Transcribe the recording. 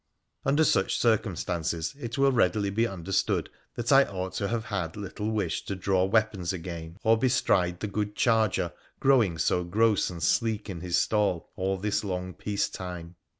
Under such circumstances it will readily be understood that I ought to have had little wish to draw weapons again or bestride the good charger growing so gross and sleek in his stall all this long peace time.